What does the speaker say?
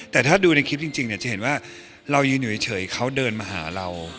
แต่ถ้าดูในคลิปจริงจะเห็นว่าเรายืนอยู่เฉยเขาเดินมาหาเรา